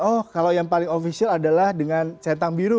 oh kalau yang paling official adalah dengan centang biru